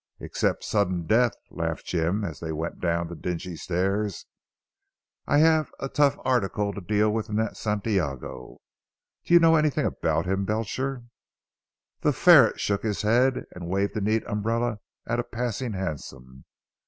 "Except sudden death," laughed Jim as they went down the dingy stairs, "I have a tough article to deal with in that Santiago. Do you know anything about him Belcher." The ferret shook his head and waved a neat umbrella to a passing hansom.